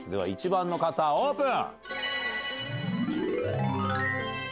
１番の方オープン！